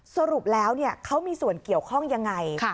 สรุปแล้วเขามีส่วนเกี่ยวข้องยังไง